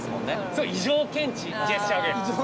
そう異常検知ジェスチャーゲーム。